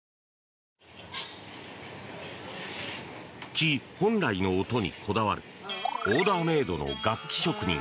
木、本来の音にこだわるオーダーメードの楽器職人